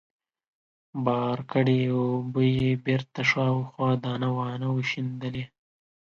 بار کړې اوبه يې بېرته شاوخوا دانه وانه وشيندلې.